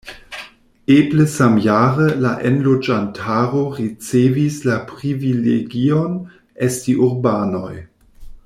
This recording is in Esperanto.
Eble samjare la enloĝantaro ricevis la privilegion esti urbanoj.